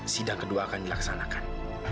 sidang kedua akan dilaksanakan